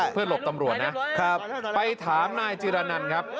เพื่อนหลบตำรวจนะไปถามนายจิละนันท์ครับ